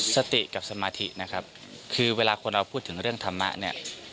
สติกับสมาธินะครับคือเวลาคนเราพูดถึงเรื่องธรรมะเนี่ย